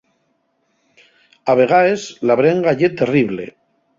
A vegaes, la brenga ye terrible.